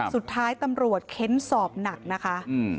สุดท้ายตำรวจเค้นสอบหนักนะคะ